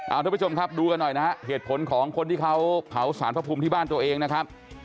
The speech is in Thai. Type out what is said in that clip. เอาทุกผู้ชมครับดูกันหน่อยนะฮะเหตุผลของคนที่เขาเผาสารพระภูมิที่บ้านตัวเองนะครับ